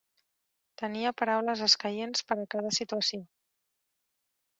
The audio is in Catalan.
Tenia paraules escaients per a cada situació.